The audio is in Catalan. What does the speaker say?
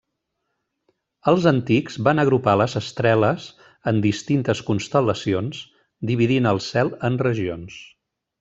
Els antics van agrupar les estreles en distintes constel·lacions, dividint el cel en regions.